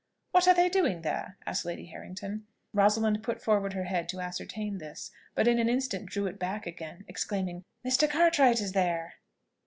"What are they doing there?" said Lady Harrington. Rosalind put forward her head to ascertain this, but in an instant drew it back again, exclaiming, "Mr. Cartwright is there!"